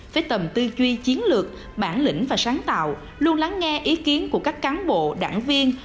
với tầm tư duy chiến lược bản lĩnh và sáng tạo luôn lắng nghe ý kiến của các cán bộ đảng viên